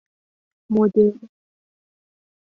مدل